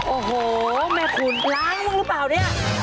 โอ้โฮแม่คุณล้างหรือเปล่านี่